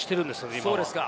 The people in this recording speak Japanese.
今は。